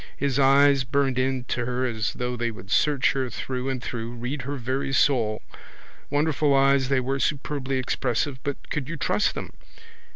His eyes burned into her as though they would search her through and through, read her very soul. Wonderful eyes they were, superbly expressive, but could you trust them?